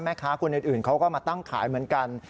คนอื่นเขาก็มาตั้งขายเหมือนกัน